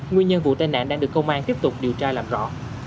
nguyên nhân vụ tai nạn đang được công an tiếp tục điều tra làm rõ